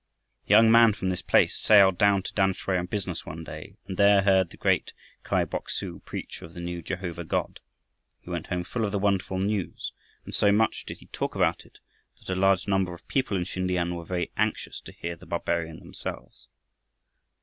A young man from this place sailed down to Tamsui on business one day and there heard the great Kai Bok su preach of the new Jehovah God, he went home full of the wonderful news, and so much did he talk about it that a large number of people in Sin tiam were very anxious to hear the barbarian themselves.